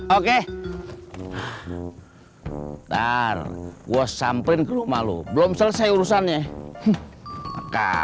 oke ntar gua sampelin ke rumah lu belum selesai urusannya